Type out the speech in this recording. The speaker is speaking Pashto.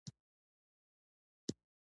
_ښه نو، د مور نوم دې څه دی؟